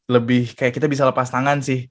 lebih kayak kita bisa lepas tangan sih